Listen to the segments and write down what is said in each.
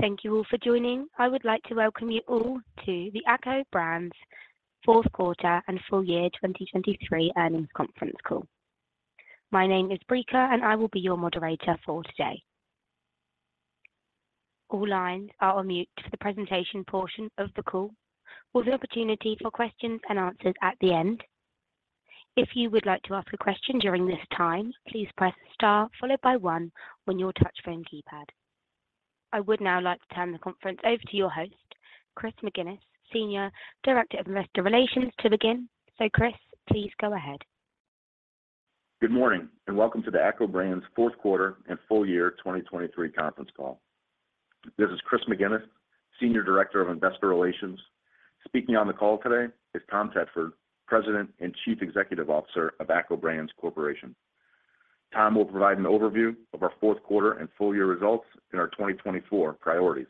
Thank you all for joining. I would like to welcome you all to the ACCO Brands Fourth Quarter and Full Year 2023 Earnings Conference Call. My name is Brika, and I will be your moderator for today. All lines are on mute for the presentation portion of the call, with the opportunity for questions and answers at the end. If you would like to ask a question during this time, please press Star followed by one on your touch-tone keypad. I would now like to turn the conference over to your host, Chris McGinnis, Senior Director of Investor Relations, to begin. Chris, please go ahead. Good morning, and welcome to the ACCO Brands Fourth Quarter and Full Year 2023 conference call. This is Chris McGinnis, Senior Director of Investor Relations. Speaking on the call today is Tom Tedford, President and Chief Executive Officer of ACCO Brands Corporation. Tom will provide an overview of our fourth quarter and full year results and our 2024 priorities.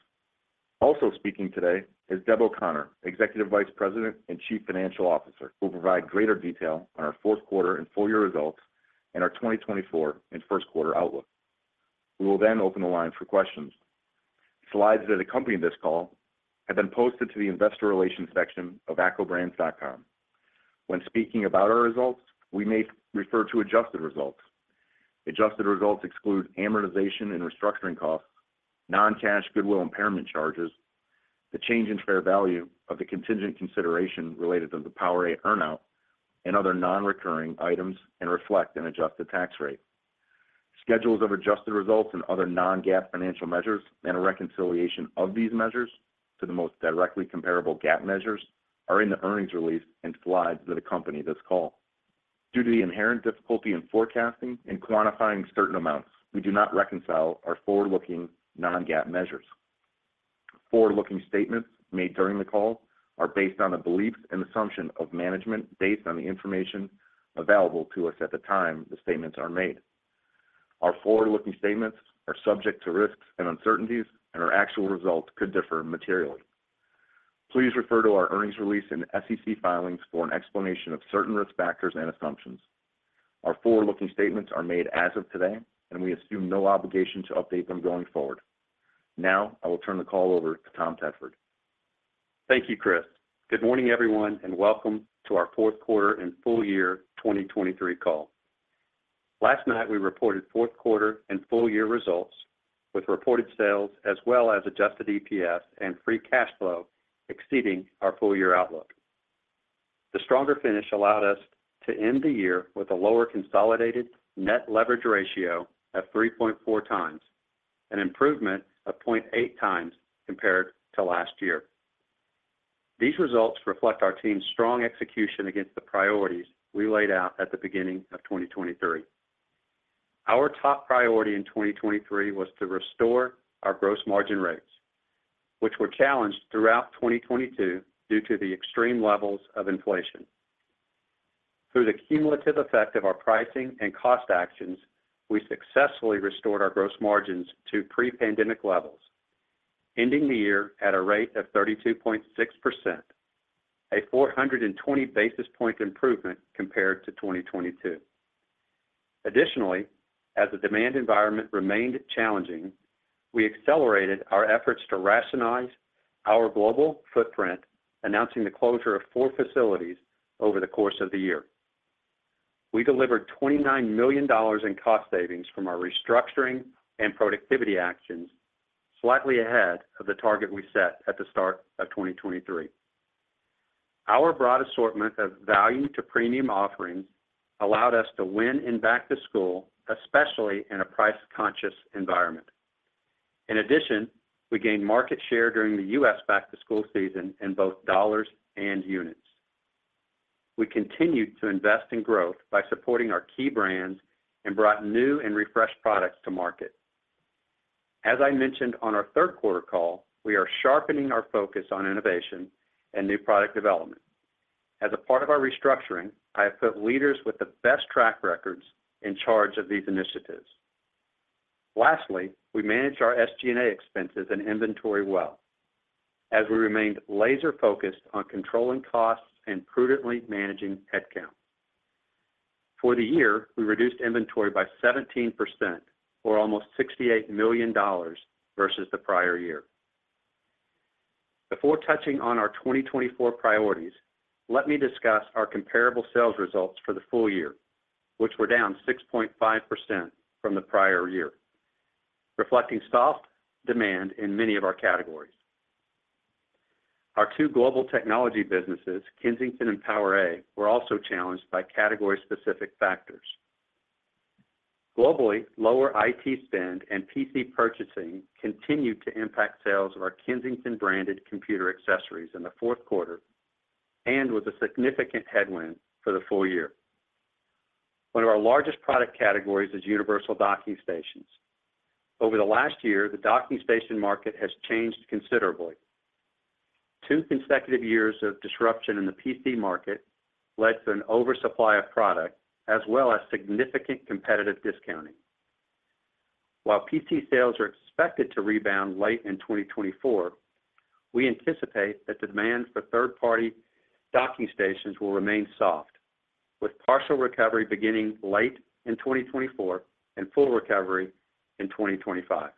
Also speaking today is Deb O'Connor, Executive Vice President and Chief Financial Officer, who will provide greater detail on our fourth quarter and full year results and our 2024 and first quarter outlook. We will then open the line for questions. Slides that accompany this call have been posted to the Investor Relations section of accobrands.com. When speaking about our results, we may refer to adjusted results. Adjusted results exclude amortization and restructuring costs, non-cash goodwill impairment charges, the change in fair value of the contingent consideration related to the PowerA earn-out and other non-recurring items and reflect an adjusted tax rate. Schedules of adjusted results and other non-GAAP financial measures, and a reconciliation of these measures to the most directly comparable GAAP measures, are in the earnings release and slides that accompany this call. Due to the inherent difficulty in forecasting and quantifying certain amounts, we do not reconcile our forward-looking non-GAAP measures. Forward-looking statements made during the call are based on the beliefs and assumptions of management, based on the information available to us at the time the statements are made. Our forward-looking statements are subject to risks and uncertainties, and our actual results could differ materially. Please refer to our earnings release and SEC filings for an explanation of certain risk factors and assumptions. Our forward-looking statements are made as of today, and we assume no obligation to update them going forward. Now, I will turn the call over to Tom Tedford. Thank you, Chris. Good morning, everyone, and welcome to our fourth quarter and full year 2023 call. Last night, we reported fourth quarter and full year results, with reported sales as well as Adjusted EPS and Free Cash Flow exceeding our full year outlook. The stronger finish allowed us to end the year with a lower consolidated net leverage ratio of 3.4 times, an improvement of 0.8 times compared to last year. These results reflect our team's strong execution against the priorities we laid out at the beginning of 2023. Our top priority in 2023 was to restore our gross margin rates, which were challenged throughout 2022 due to the extreme levels of inflation. Through the cumulative effect of our pricing and cost actions, we successfully restored our gross margins to pre-pandemic levels, ending the year at a rate of 32.6%, a 420 basis point improvement compared to 2022. Additionally, as the demand environment remained challenging, we accelerated our efforts to rationalize our global footprint, announcing the closure of 4 facilities over the course of the year. We delivered $29 million in cost savings from our restructuring and productivity actions, slightly ahead of the target we set at the start of 2023. Our broad assortment of value to premium offerings allowed us to win in back to school, especially in a price-conscious environment. In addition, we gained market share during the U.S. back-to-school season in both dollars and units. We continued to invest in growth by supporting our key brands and brought new and refreshed products to market. As I mentioned on our third quarter call, we are sharpening our focus on innovation and new product development. As a part of our restructuring, I have put leaders with the best track records in charge of these initiatives. Lastly, we managed our SG&A expenses and inventory well as we remained laser-focused on controlling costs and prudently managing headcount. For the year, we reduced inventory by 17% or almost $68 million versus the prior year. Before touching on our 2024 priorities, let me discuss our comparable sales results for the full year, which were down 6.5% from the prior year, reflecting soft demand in many of our categories. Our two global technology businesses, Kensington and PowerA, were also challenged by category-specific factors. Globally, lower IT spend and PC purchasing continued to impact sales of our Kensington-branded computer accessories in the fourth quarter and was a significant headwind for the full year. One of our largest product categories is universal docking stations. Over the last year, the docking station market has changed considerably. Two consecutive years of disruption in the PC market led to an oversupply of product, as well as significant competitive discounting. While PC sales are expected to rebound late in 2024, we anticipate that demand for third-party docking stations will remain soft, with partial recovery beginning late in 2024 and full recovery in 2025.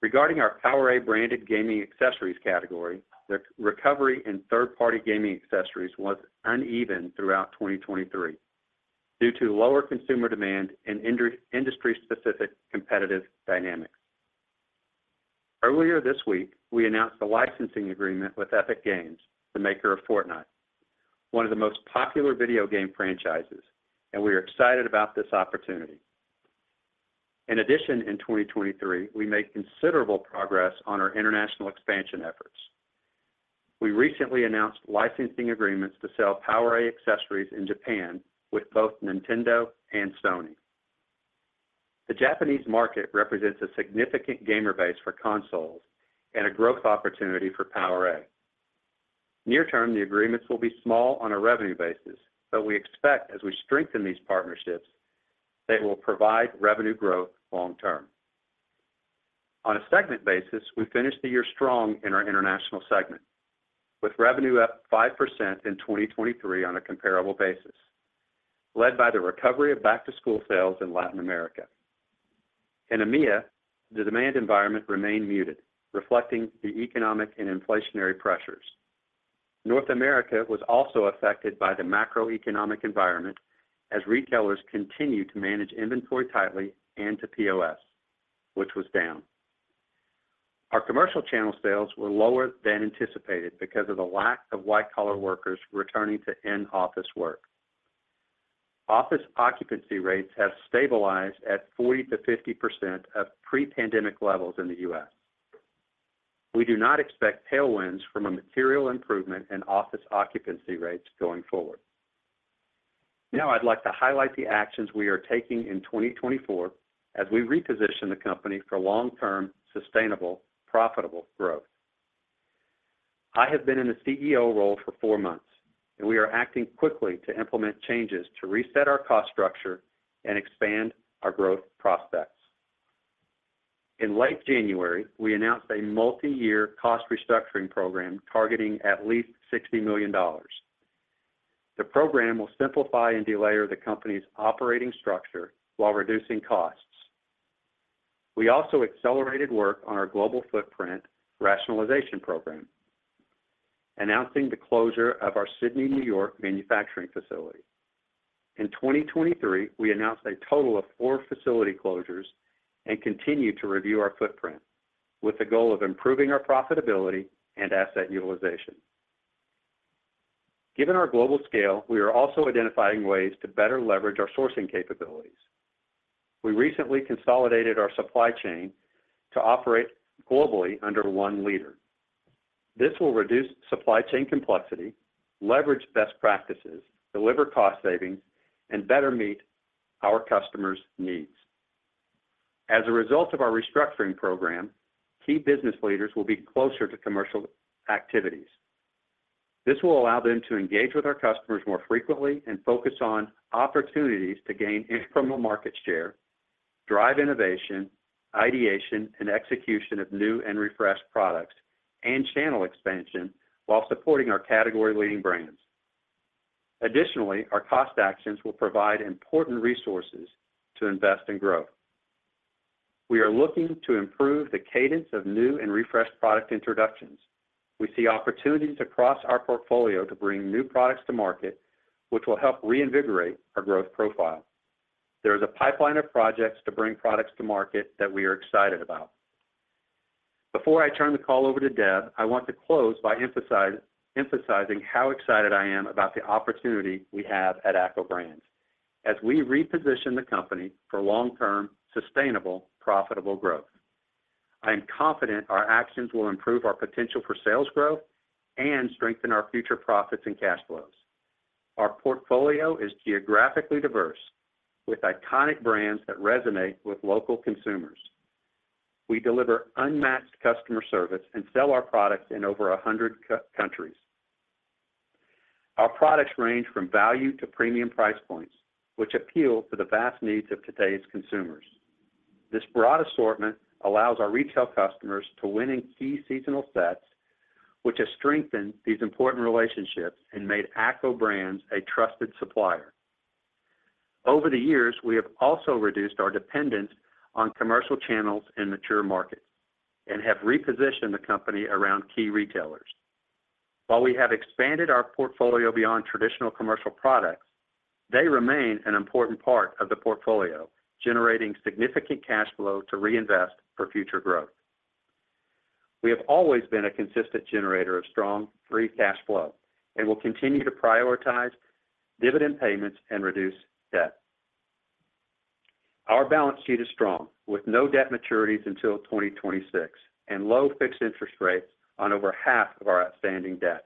Regarding our PowerA-branded gaming accessories category, the recovery in third-party gaming accessories was uneven throughout 2023 due to lower consumer demand and industry-specific competitive dynamics. Earlier this week, we announced a licensing agreement with Epic Games, the maker of Fortnite, one of the most popular video game franchises, and we are excited about this opportunity. In addition, in 2023, we made considerable progress on our international expansion efforts. We recently announced licensing agreements to sell PowerA accessories in Japan with both Nintendo and Sony. The Japanese market represents a significant gamer base for consoles and a growth opportunity for PowerA. Near term, the agreements will be small on a revenue basis, but we expect, as we strengthen these partnerships, they will provide revenue growth long term. On a segment basis, we finished the year strong in our international segment, with revenue up 5% in 2023 on a comparable basis, led by the recovery of back-to-school sales in Latin America. In EMEA, the demand environment remained muted, reflecting the economic and inflationary pressures. North America was also affected by the macroeconomic environment as retailers continued to manage inventory tightly and to POS, which was down. Our commercial channel sales were lower than anticipated because of the lack of white-collar workers returning to in-office work. Office occupancy rates have stabilized at 40%-50% of pre-pandemic levels in the U.S. We do not expect tailwinds from a material improvement in office occupancy rates going forward. Now I'd like to highlight the actions we are taking in 2024 as we reposition the company for long-term, sustainable, profitable growth. I have been in the CEO role for 4 months, and we are acting quickly to implement changes to reset our cost structure and expand our growth prospects. In late January, we announced a multiyear cost restructuring program targeting at least $60 million. The program will simplify and delayer the company's operating structure while reducing costs. We also accelerated work on our global footprint rationalization program, announcing the closure of our Sidney, New York, manufacturing facility. In 2023, we announced a total of four facility closures and continued to review our footprint, with the goal of improving our profitability and asset utilization. Given our global scale, we are also identifying ways to better leverage our sourcing capabilities. We recently consolidated our supply chain to operate globally under one leader. This will reduce supply chain complexity, leverage best practices, deliver cost savings, and better meet our customers' needs. As a result of our restructuring program, key business leaders will be closer to commercial activities. This will allow them to engage with our customers more frequently and focus on opportunities to gain incremental market share, drive innovation, ideation, and execution of new and refreshed products, and channel expansion while supporting our category-leading brands. Additionally, our cost actions will provide important resources to invest in growth. We are looking to improve the cadence of new and refreshed product introductions. We see opportunities across our portfolio to bring new products to market, which will help reinvigorate our growth profile. There is a pipeline of projects to bring products to market that we are excited about. Before I turn the call over to Deb, I want to close by emphasizing how excited I am about the opportunity we have at ACCO Brands as we reposition the company for long-term, sustainable, profitable growth. I am confident our actions will improve our potential for sales growth and strengthen our future profits and cash flows. Our portfolio is geographically diverse, with iconic brands that resonate with local consumers. We deliver unmatched customer service and sell our products in over 100 countries. Our products range from value to premium price points, which appeal to the vast needs of today's consumers. This broad assortment allows our retail customers to win in key seasonal sets, which has strengthened these important relationships and made ACCO Brands a trusted supplier. Over the years, we have also reduced our dependence on commercial channels in mature markets and have repositioned the company around key retailers. While we have expanded our portfolio beyond traditional commercial products, they remain an important part of the portfolio, generating significant cash flow to reinvest for future growth. We have always been a consistent generator of strong free cash flow and will continue to prioritize dividend payments and reduce debt. Our balance sheet is strong, with no debt maturities until 2026 and low fixed interest rates on over half of our outstanding debt.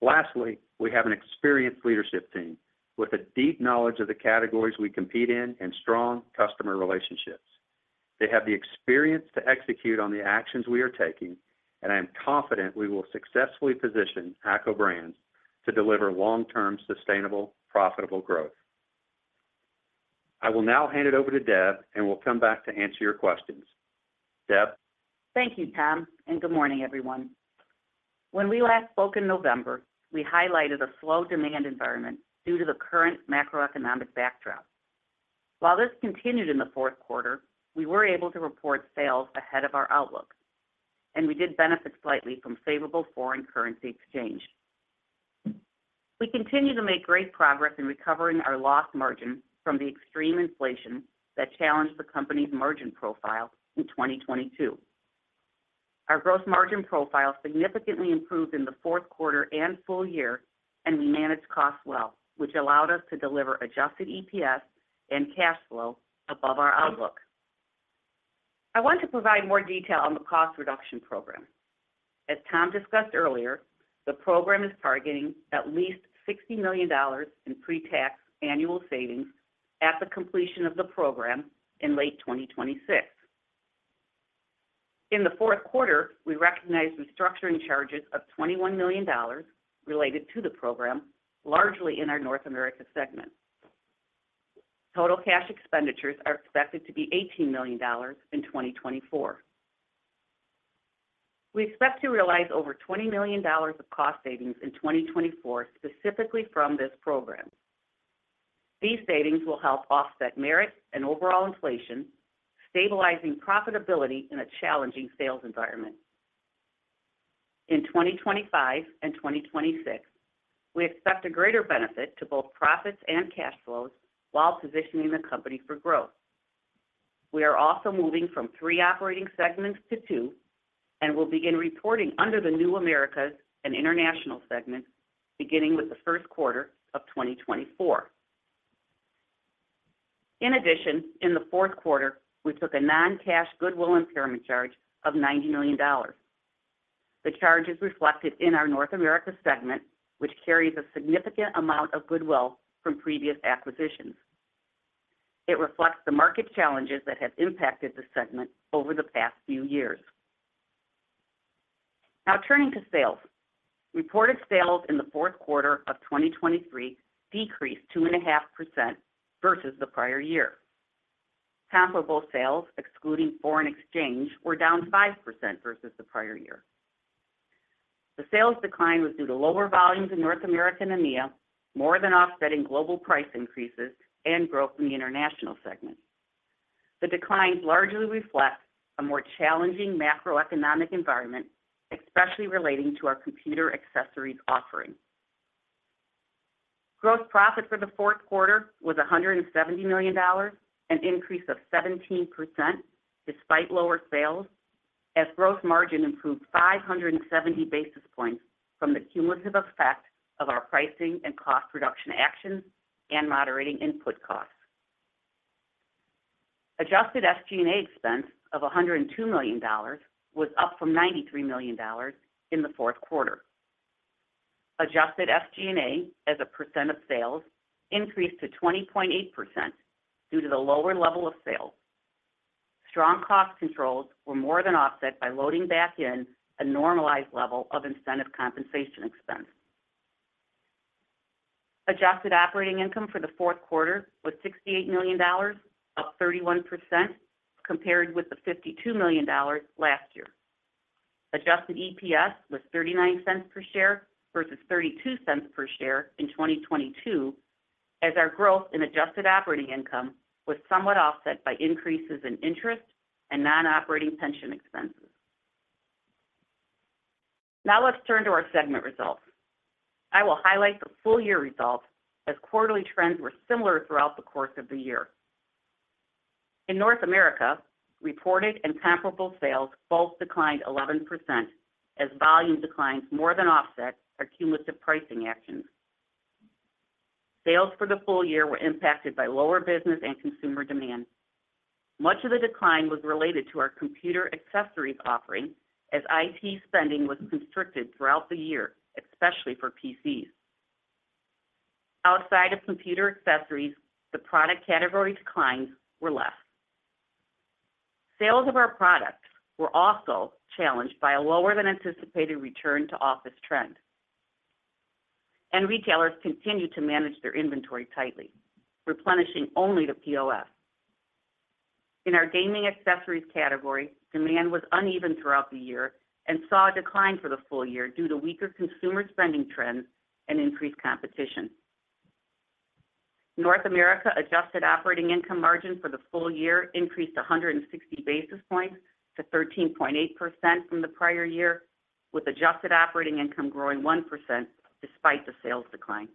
Lastly, we have an experienced leadership team with a deep knowledge of the categories we compete in and strong customer relationships. They have the experience to execute on the actions we are taking, and I am confident we will successfully position ACCO Brands to deliver long-term, sustainable, profitable growth.... I will now hand it over to Deb, and we'll come back to answer your questions. Deb? Thank you, Tom, and good morning, everyone. When we last spoke in November, we highlighted a slow demand environment due to the current macroeconomic backdrop. While this continued in the fourth quarter, we were able to report sales ahead of our outlook, and we did benefit slightly from favorable foreign currency exchange. We continue to make great progress in recovering our lost margin from the extreme inflation that challenged the company's margin profile in 2022. Our gross margin profile significantly improved in the fourth quarter and full year, and we managed costs well, which allowed us to deliver adjusted EPS and cash flow above our outlook. I want to provide more detail on the cost reduction program. As Tom discussed earlier, the program is targeting at least $60 million in pre-tax annual savings at the completion of the program in late 2026. In the fourth quarter, we recognized restructuring charges of $21 million related to the program, largely in our North America segment. Total cash expenditures are expected to be $18 million in 2024. We expect to realize over $20 million of cost savings in 2024, specifically from this program. These savings will help offset merit and overall inflation, stabilizing profitability in a challenging sales environment. In 2025 and 2026, we expect a greater benefit to both profits and cash flows while positioning the company for growth. We are also moving from three operating segments to two, and we'll begin reporting under the new Americas and International segments, beginning with the first quarter of 2024. In addition, in the fourth quarter, we took a non-cash goodwill impairment charge of $90 million. The charge is reflected in our North America segment, which carries a significant amount of goodwill from previous acquisitions. It reflects the market challenges that have impacted the segment over the past few years. Now, turning to sales. Reported sales in the fourth quarter of 2023 decreased 2.5% versus the prior year. Comparable sales, excluding foreign exchange, were down 5% versus the prior year. The sales decline was due to lower volumes in North America and EMEA, more than offsetting global price increases and growth in the international segment. The declines largely reflect a more challenging macroeconomic environment, especially relating to our computer accessories offering. Gross profit for the fourth quarter was $170 million, an increase of 17% despite lower sales, as gross margin improved 570 basis points from the cumulative effect of our pricing and cost reduction actions and moderating input costs. Adjusted SG&A expense of $102 million was up from $93 million in the fourth quarter. Adjusted SG&A, as a percent of sales, increased to 20.8% due to the lower level of sales. Strong cost controls were more than offset by loading back in a normalized level of incentive compensation expense. Adjusted operating income for the fourth quarter was $68 million, up 31%, compared with the $52 million last year. Adjusted EPS was $0.39 per share versus $0.32 per share in 2022, as our growth in adjusted operating income was somewhat offset by increases in interest and non-operating pension expenses. Now let's turn to our segment results. I will highlight the full-year results as quarterly trends were similar throughout the course of the year. In North America, reported and comparable sales both declined 11% as volume declines more than offset our cumulative pricing actions. Sales for the full year were impacted by lower business and consumer demand. Much of the decline was related to our computer accessories offering, as IT spending was constricted throughout the year, especially for PCs. Outside of computer accessories, the product category declines were less. Sales of our products were also challenged by a lower-than-anticipated return-to-office trend, and retailers continued to manage their inventory tightly, replenishing only to POS. In our gaming accessories category, demand was uneven throughout the year and saw a decline for the full year due to weaker consumer spending trends and increased competition. North America adjusted operating income margin for the full year increased 100 basis points to 13.8% from the prior year, with adjusted operating income growing 1% despite the sales decline.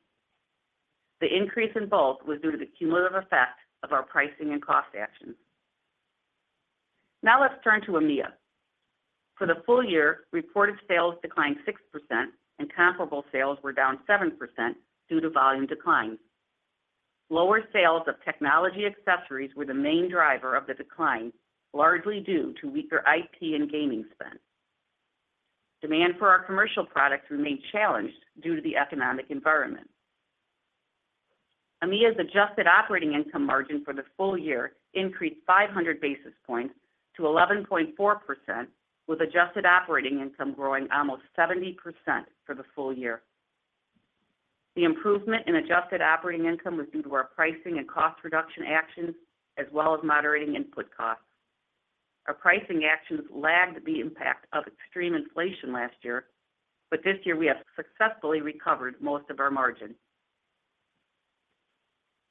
The increase in both was due to the cumulative effect of our pricing and cost actions. Now let's turn to EMEA. For the full year, reported sales declined 6%, and comparable sales were down 7% due to volume declines. Lower sales of technology accessories were the main driver of the decline, largely due to weaker IT and gaming spend. Demand for our commercial products remained challenged due to the economic environment. EMEA's adjusted operating income margin for the full year increased 500 basis points to 11.4%, with adjusted operating income growing almost 70% for the full year. The improvement in adjusted operating income was due to our pricing and cost reduction actions, as well as moderating input costs. Our pricing actions lagged the impact of extreme inflation last year, but this year we have successfully recovered most of our margin.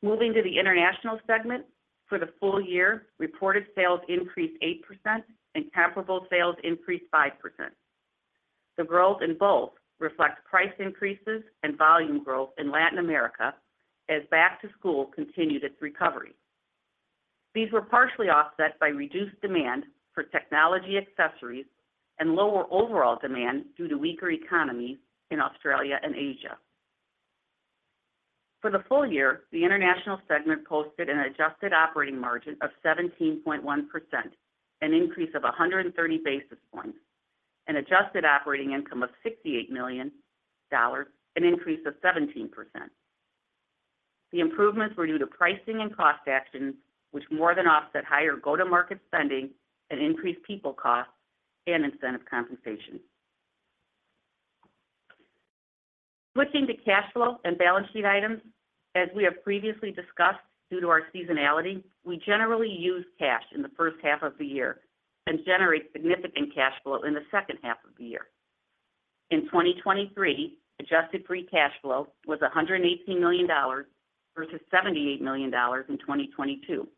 Moving to the international segment, for the full year, reported sales increased 8% and comparable sales increased 5%. The growth in both reflects price increases and volume growth in Latin America as Back to School continued its recovery. These were partially offset by reduced demand for technology accessories and lower overall demand due to weaker economies in Australia and Asia. For the full year, the international segment posted an adjusted operating margin of 17.1%, an increase of 130 basis points, an adjusted operating income of $68 million, an increase of 17%. The improvements were due to pricing and cost actions, which more than offset higher go-to-market spending and increased people costs and incentive compensation. Switching to cash flow and balance sheet items, as we have previously discussed, due to our seasonality, we generally use cash in the first half of the year and generate significant cash flow in the second half of the year. In 2023, adjusted free cash flow was $118 million versus $78 million in 2022.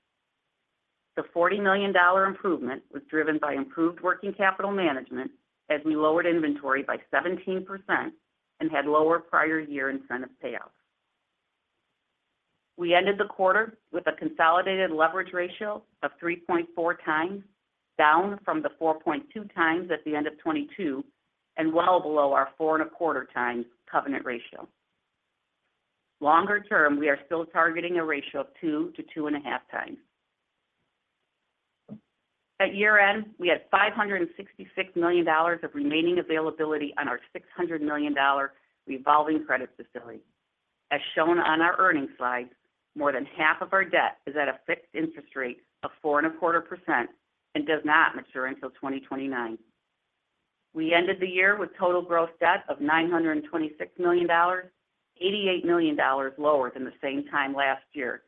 The $40 million improvement was driven by improved working capital management, as we lowered inventory by 17% and had lower prior year incentive payouts. We ended the quarter with a consolidated leverage ratio of 3.4 times, down from the 4.2 times at the end of 2022, and well below our 4.25 times covenant ratio. Longer term, we are still targeting a ratio of 2-2.5 times. At year-end, we had $566 million of remaining availability on our $600 million revolving credit facility. As shown on our earnings slide, more than half of our debt is at a fixed interest rate of 4.25% and does not mature until 2029. We ended the year with total gross debt of $926 million, $88 million lower than the same time last year,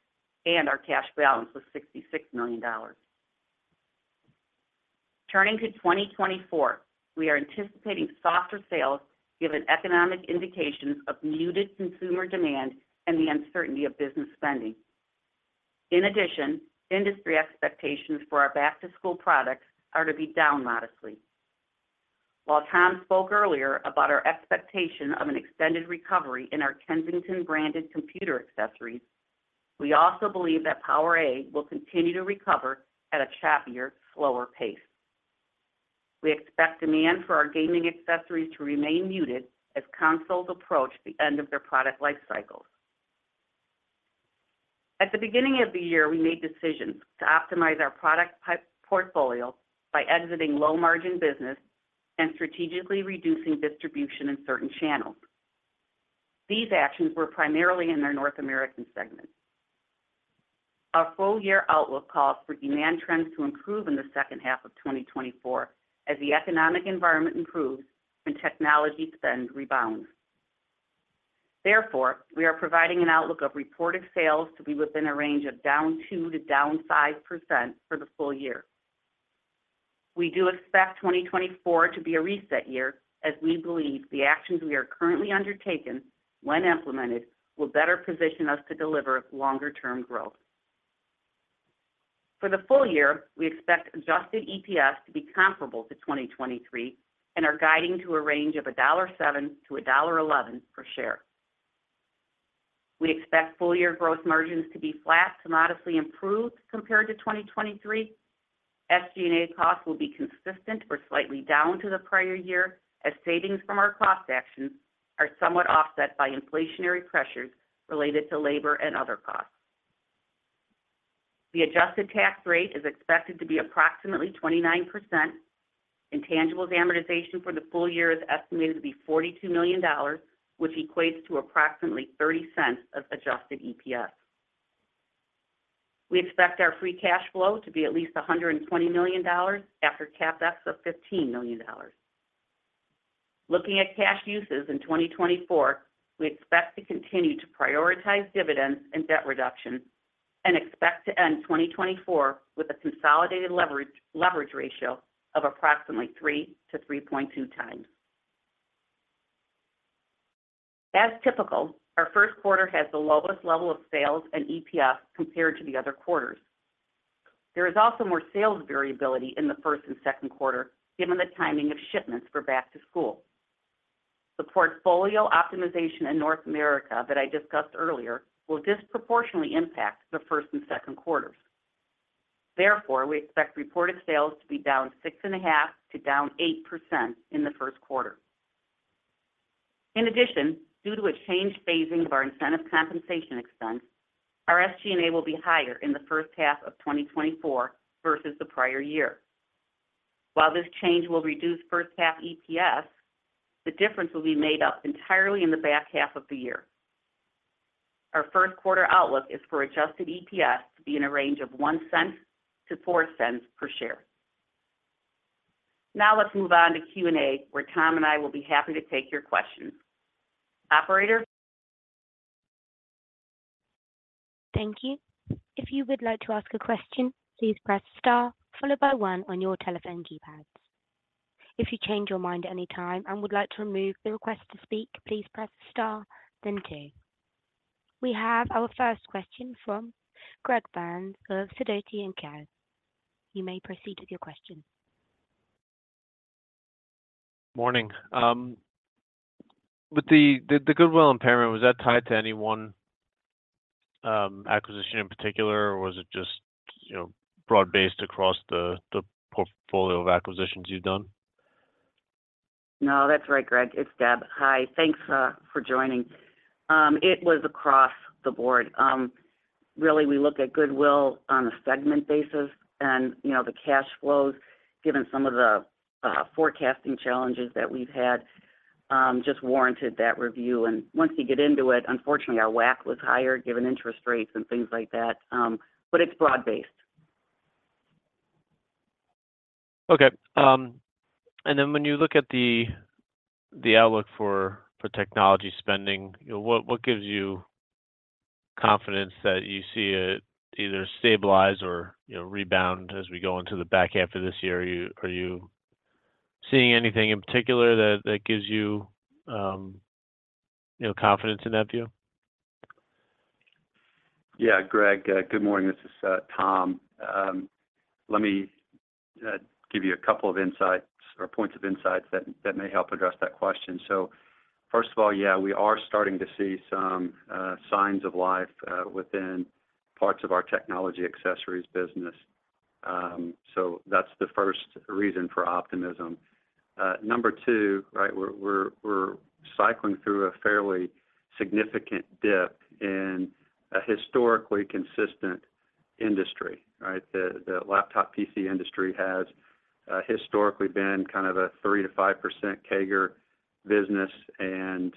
and our cash balance was $66 million. Turning to 2024, we are anticipating softer sales, given economic indications of muted consumer demand and the uncertainty of business spending. In addition, industry expectations for our Back to School products are to be down modestly. While Tom spoke earlier about our expectation of an extended recovery in our Kensington branded computer accessories, we also believe that PowerA will continue to recover at a choppier, slower pace. We expect demand for our gaming accessories to remain muted as consoles approach the end of their product life cycles. At the beginning of the year, we made decisions to optimize our product portfolio by exiting low-margin business and strategically reducing distribution in certain channels. These actions were primarily in our North American segment. Our full-year outlook calls for demand trends to improve in the second half of 2024 as the economic environment improves and technology spend rebounds. Therefore, we are providing an outlook of reported sales to be within a range of down 2% to down 5% for the full year. We do expect 2024 to be a reset year, as we believe the actions we are currently undertaking, when implemented, will better position us to deliver longer-term growth. For the full year, we expect adjusted EPS to be comparable to 2023 and are guiding to a range of $1.07-$1.11 per share. We expect full-year gross margins to be flat to modestly improved compared to 2023. SG&A costs will be consistent or slightly down to the prior year, as savings from our cost actions are somewhat offset by inflationary pressures related to labor and other costs. The adjusted tax rate is expected to be approximately 29%. Intangibles amortization for the full year is estimated to be $42 million, which equates to approximately $0.30 of adjusted EPS. We expect our free cash flow to be at least $120 million after CapEx of $15 million. Looking at cash uses in 2024, we expect to continue to prioritize dividends and debt reduction, and expect to end 2024 with a consolidated leverage, leverage ratio of approximately 3-3.2 times. As typical, our first quarter has the lowest level of sales and EPS compared to the other quarters. There is also more sales variability in the first and second quarter, given the timing of shipments for Back to School. The portfolio optimization in North America that I discussed earlier, will disproportionately impact the first and second quarters. Therefore, we expect reported sales to be down 6.5%-8% in the first quarter. In addition, due to a changed phasing of our incentive compensation expense, our SG&A will be higher in the first half of 2024 versus the prior year. While this change will reduce first half EPS, the difference will be made up entirely in the back half of the year. Our first quarter outlook is for adjusted EPS to be in a range of $0.01-$0.04 per share. Now let's move on to Q&A, where Tom and I will be happy to take your questions. Operator? Thank you. If you would like to ask a question, please press Star followed by one on your telephone keypads. If you change your mind at any time and would like to remove the request to speak, please press Star, then two. We have our first question from Greg Burns of Sidoti & Company. You may proceed with your question. Morning. With the goodwill impairment, was that tied to any one acquisition in particular, or was it just, you know, broad-based across the portfolio of acquisitions you've done? No, that's right, Greg. It's Deb. Hi. Thanks for joining. It was across the board. Really, we look at goodwill on a segment basis, and, you know, the cash flows, given some of the forecasting challenges that we've had, just warranted that review. And once you get into it, unfortunately, our WACC was higher, given interest rates and things like that, but it's broad-based. Okay. And then when you look at the outlook for technology spending, what gives you confidence that you see it either stabilize or, you know, rebound as we go into the back half of this year? Are you seeing anything in particular that gives you, you know, confidence in that view? Yeah, Greg, good morning. This is Tom. Let me give you a couple of insights or points of insights that may help address that question. So first of all, yeah, we are starting to see some signs of life within parts of our technology accessories business. So that's the first reason for optimism. Number two, right, we're cycling through a fairly significant dip in a historically consistent industry, right? The laptop PC industry has historically been kind of a 3%-5% CAGR business, and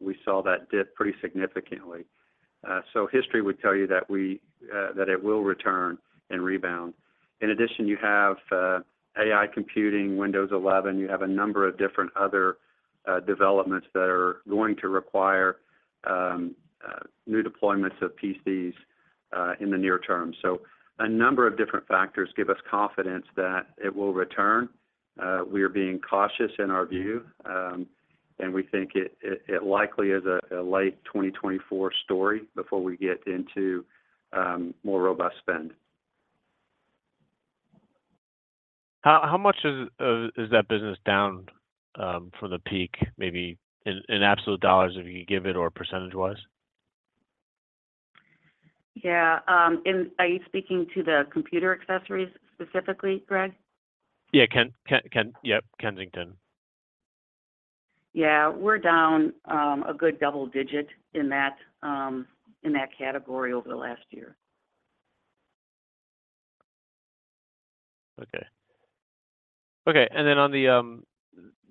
we saw that dip pretty significantly. So history would tell you that it will return and rebound. In addition, you have AI computing, Windows 11, you have a number of different other developments that are going to require new deployments of PCs in the near term. So a number of different factors give us confidence that it will return. We are being cautious in our view, and we think it likely is a late 2024 story before we get into more robust spend. How much is that business down from the peak, maybe in absolute dollars, if you could give it or percentage-wise? Yeah, and are you speaking to the computer accessories specifically, Greg? Yeah, yep, Kensington. Yeah, we're down a good double digit in that category over the last year. Okay. Okay, and then on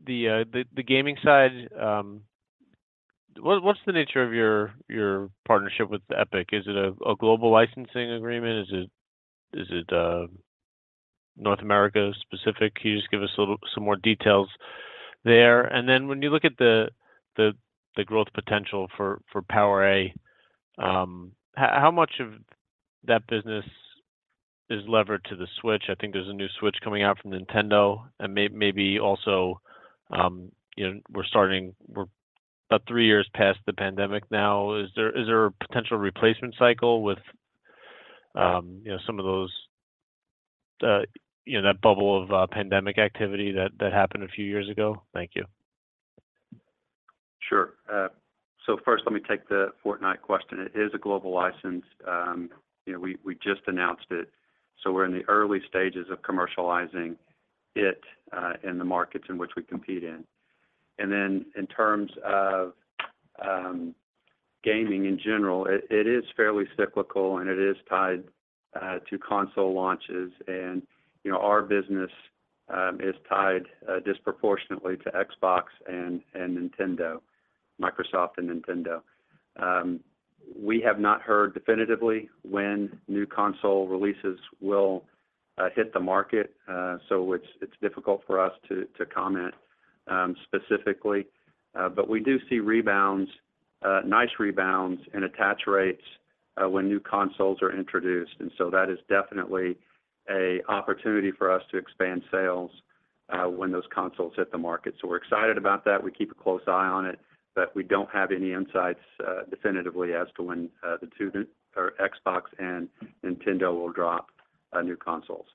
the gaming side, what's the nature of your partnership with Epic? Is it a global licensing agreement? Is it North America-specific? Can you just give us a little, some more details there? And then when you look at the growth potential for PowerA, how much of that business is levered to the Switch? I think there's a new Switch coming out from Nintendo and maybe also, you know, we're about three years past the pandemic now. Is there a potential replacement cycle with, you know, some of those, you know, that bubble of pandemic activity that happened a few years ago? Thank you. Sure. So first, let me take the Fortnite question. It is a global license. You know, we just announced it, so we're in the early stages of commercializing it in the markets in which we compete in. And then in terms of gaming in general, it is fairly cyclical, and it is tied to console launches. You know, our business is tied disproportionately to Xbox and Nintendo, Microsoft and Nintendo. We have not heard definitively when new console releases will hit the market, so it's difficult for us to comment specifically. But we do see rebounds, nice rebounds and attach rates when new consoles are introduced, and so that is definitely an opportunity for us to expand sales when those consoles hit the market. So we're excited about that. We keep a close eye on it, but we don't have any insights, definitively as to when, the two, or Xbox and Nintendo will drop, new consoles.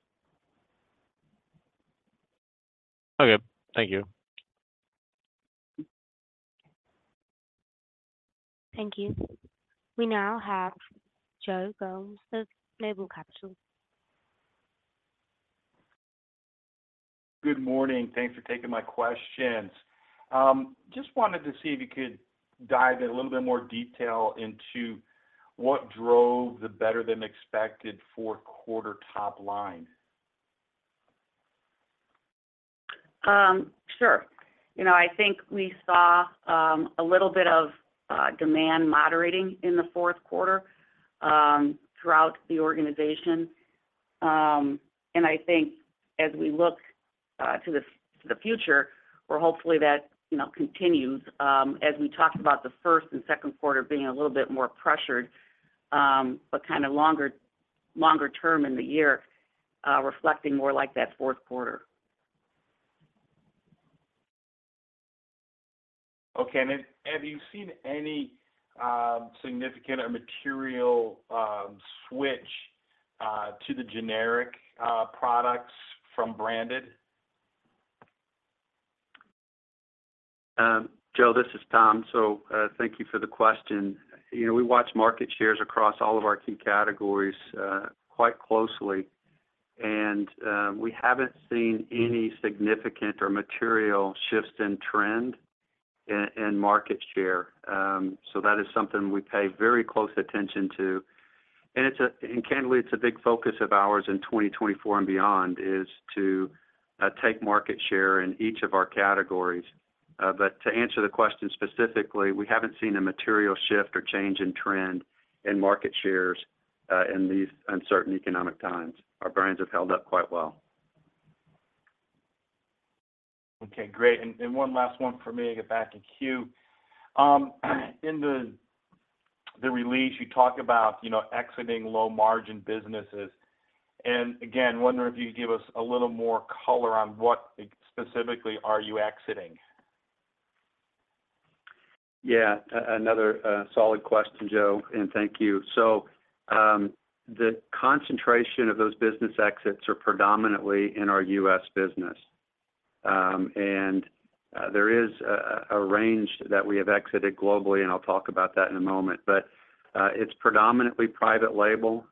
Okay. Thank you. Thank you. We now have Joe Gomes of Noble Capital. Good morning. Thanks for taking my questions. Just wanted to see if you could dive in a little bit more detail into what drove the better-than-expected fourth quarter top line? Sure. You know, I think we saw a little bit of demand moderating in the fourth quarter throughout the organization. And I think as we look to the future, where hopefully that you know continues, as we talked about the first and second quarter being a little bit more pressured, but kinda longer, longer term in the year, reflecting more like that fourth quarter. Okay. And then have you seen any significant or material switch to the generic products from branded? Joe, this is Tom. So, thank you for the question. You know, we watch market shares across all of our key categories, quite closely, and we haven't seen any significant or material shifts in trend in market share. So that is something we pay very close attention to, and candidly, it's a big focus of ours in 2024 and beyond, is to take market share in each of our categories. But to answer the question specifically, we haven't seen a material shift or change in trend in market shares, in these uncertain economic times. Our brands have held up quite well. Okay, great. And one last one for me to get back in queue. In the release, you talk about, you know, exiting low-margin businesses. And again, wondering if you could give us a little more color on what exactly specifically are you exiting? Yeah, another solid question, Joe, and thank you. So, the concentration of those business exits are predominantly in our US business. And, there is a range that we have exited globally, and I'll talk about that in a moment. But, it's predominantly private label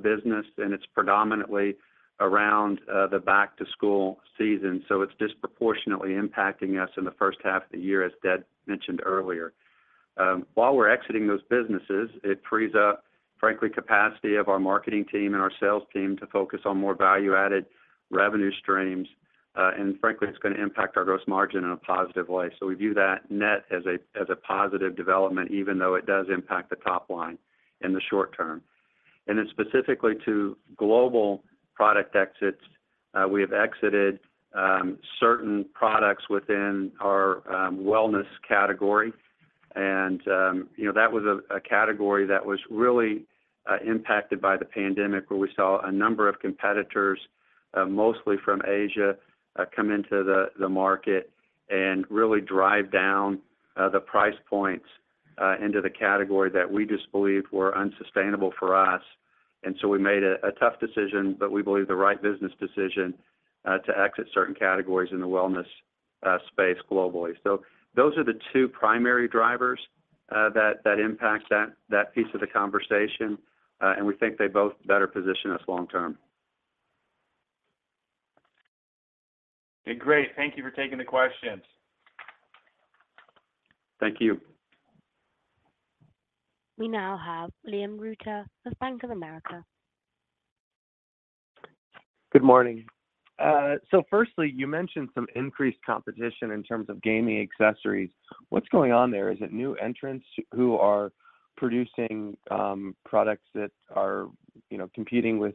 business, and it's predominantly around the back-to-school season, so it's disproportionately impacting us in the first half of the year, as Deb mentioned earlier. While we're exiting those businesses, it frees up, frankly, capacity of our marketing team and our sales team to focus on more value-added revenue streams. And frankly, it's gonna impact our gross margin in a positive way. So we view that net as a positive development, even though it does impact the top line in the short term. And then, specifically to global product exits, we have exited certain products within our wellness category. And, you know, that was a category that was really impacted by the pandemic, where we saw a number of competitors, mostly from Asia, come into the market and really drive down the price points into the category that we just believed were unsustainable for us. And so we made a tough decision, but we believe the right business decision to exit certain categories in the wellness space globally. So those are the two primary drivers that impact that piece of the conversation, and we think they both better position us long term. Okay, great. Thank you for taking the questions. Thank you. We now have William Reuter with Bank of America. Good morning. So firstly, you mentioned some increased competition in terms of gaming accessories. What's going on there? Is it new entrants who are producing products that are, you know, competing with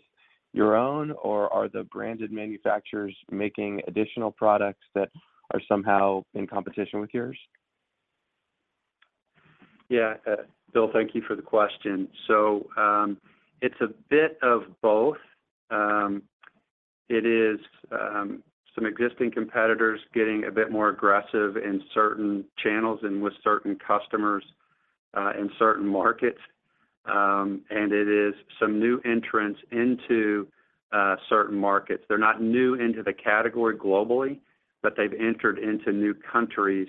your own? Or are the branded manufacturers making additional products that are somehow in competition with yours? Yeah, Bill, thank you for the question. So, it's a bit of both. It is some existing competitors getting a bit more aggressive in certain channels and with certain customers in certain markets. And it is some new entrants into certain markets. They're not new into the category globally, but they've entered into new countries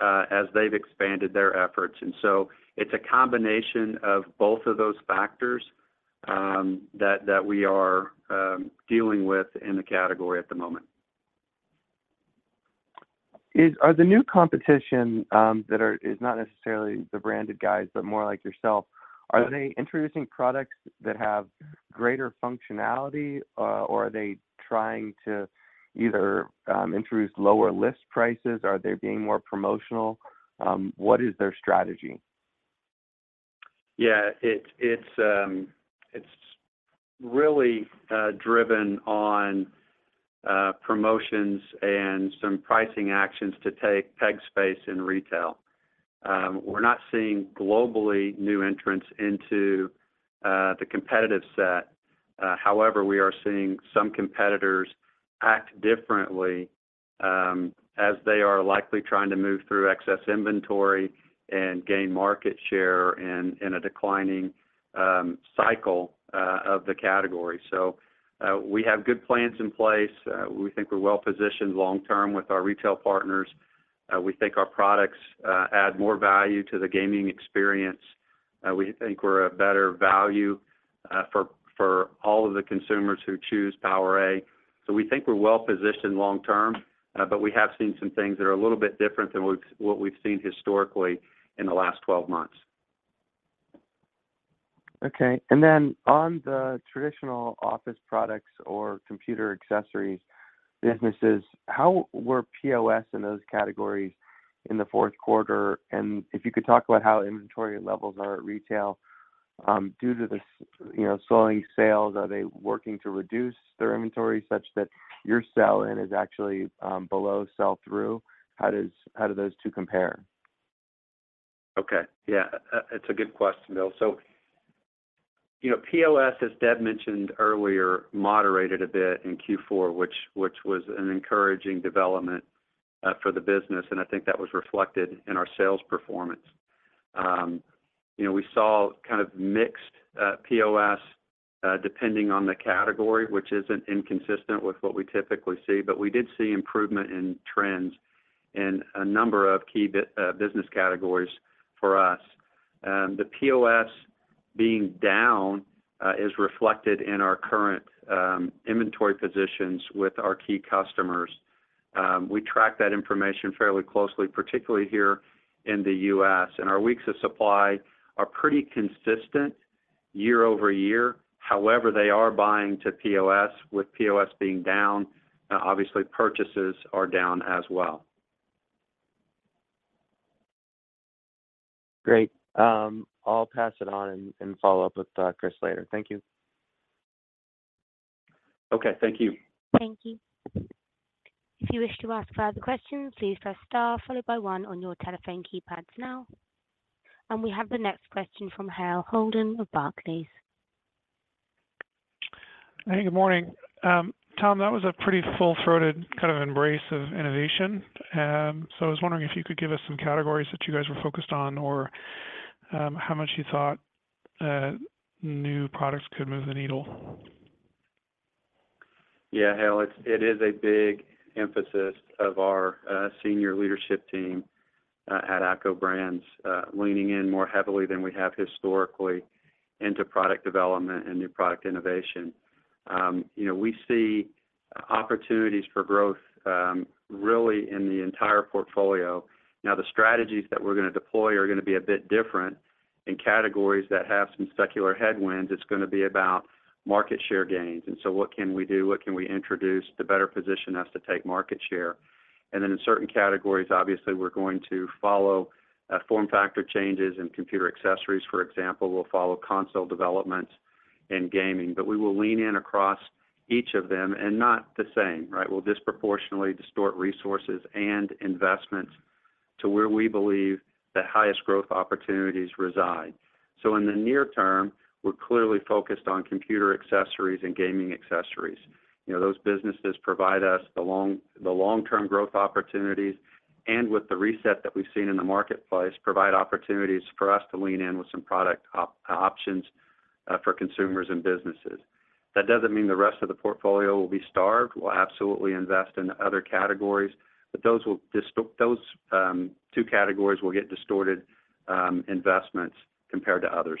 as they've expanded their efforts. And so it's a combination of both of those factors that we are dealing with in the category at the moment. Are the new competition that is not necessarily the branded guys, but more like yourself, are they introducing products that have greater functionality? Or are they trying to either introduce lower list prices? Are they being more promotional? What is their strategy? Yeah, it's really driven on promotions and some pricing actions to take peg space in retail. We're not seeing globally new entrants into the competitive set. However, we are seeing some competitors act differently, as they are likely trying to move through excess inventory and gain market share in a declining cycle of the category. So, we have good plans in place. We think we're well-positioned long term with our retail partners. We think our products add more value to the gaming experience. We think we're a better value for all of the consumers who choose PowerA. So we think we're well positioned long term, but we have seen some things that are a little bit different than what we've seen historically in the last 12 months. Okay, and then on the traditional office products or computer accessories businesses, how were POS in those categories in the fourth quarter? And if you could talk about how inventory levels are at retail, due to the slowing sales, are they working to reduce their inventory such that your sell-in is actually below sell-through? How does, how do those two compare? Okay. Yeah, it's a good question, Bill. So, you know, POS, as Deb mentioned earlier, moderated a bit in Q4, which was an encouraging development for the business, and I think that was reflected in our sales performance. You know, we saw kind of mixed POS depending on the category, which isn't inconsistent with what we typically see, but we did see improvement in trends in a number of key business categories for us. The POS being down is reflected in our current inventory positions with our key customers. We track that information fairly closely, particularly here in the U.S., and our weeks of supply are pretty consistent year over year. However, they are buying to POS. With POS being down, obviously, purchases are down as well. Great. I'll pass it on and follow up with Chris later. Thank you. Okay, thank you. Thank you. If you wish to ask further questions, please press star followed by one on your telephone keypads now. We have the next question from Hale Holden of Barclays. Hey, good morning. Tom, that was a pretty full-throated kind of embrace of innovation. So I was wondering if you could give us some categories that you guys were focused on or, how much you thought new products could move the needle? Yeah, Hale, it is a big emphasis of our senior leadership team at ACCO Brands leaning in more heavily than we have historically into product development and new product innovation. You know, we see opportunities for growth really in the entire portfolio. Now, the strategies that we're gonna deploy are gonna be a bit different. In categories that have some secular headwinds, it's gonna be about market share gains, and so what can we do? What can we introduce to better position us to take market share? And then in certain categories, obviously, we're going to follow form factor changes in computer accessories, for example. We'll follow console developments in gaming, but we will lean in across each of them and not the same, right? We'll disproportionately distort resources and investments to where we believe the highest growth opportunities reside. So in the near term, we're clearly focused on computer accessories and gaming accessories. You know, those businesses provide us the long-term growth opportunities, and with the reset that we've seen in the marketplace, provide opportunities for us to lean in with some product options for consumers and businesses. That doesn't mean the rest of the portfolio will be starved. We'll absolutely invest in other categories, but those two categories will get distorted investments compared to others.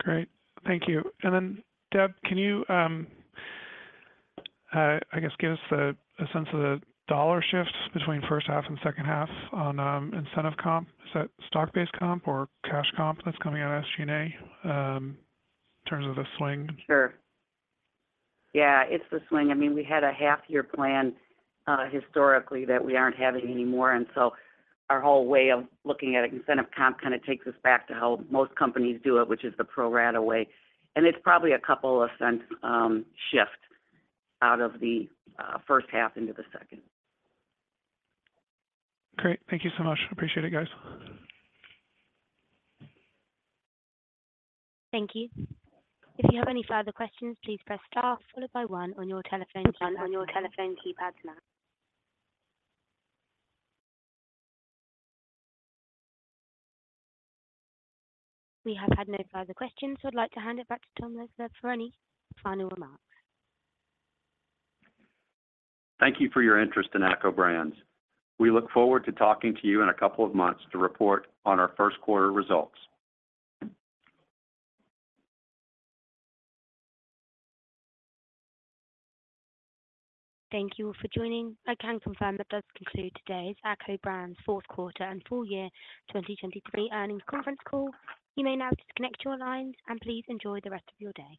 Great. Thank you. And then, Deb, can you, I guess, give us a sense of the dollar shift between first half and second half on incentive comp? Is that stock-based comp or cash comp that's coming out of SG&A, in terms of the swing? Sure. Yeah, it's the swing. I mean, we had a half year plan historically that we aren't having anymore, and so our whole way of looking at incentive comp kind of takes us back to how most companies do it, which is the pro rata way. And it's probably a couple of cents shift out of the first half into the second. Great. Thank you so much. Appreciate it, guys. Thank you. If you have any further questions, please press star followed by one on your telephone keypad, on your telephone keypads now. We have had no further questions, so I'd like to hand it back to Tom Tedford for any final remarks. Thank you for your interest in ACCO Brands. We look forward to talking to you in a couple of months to report on our first quarter results. Thank you all for joining. I can confirm that does conclude today's ACCO Brands fourth quarter and full year 2023 earnings conference call. You may now disconnect your lines, and please enjoy the rest of your day.